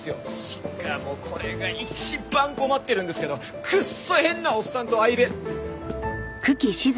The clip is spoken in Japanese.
しかもこれが一番困ってるんですけどクッソ変なおっさんと相部屋。